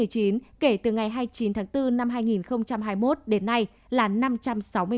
tháng bốn năm hai nghìn hai mươi một đến nay là năm trăm sáu mươi người